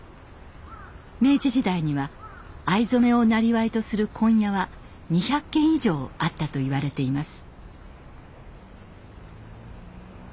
明治時代には藍染めをなりわいとする「紺屋」は２００軒以上あったといわれています。